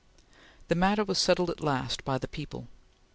The matter was settled at last by the people.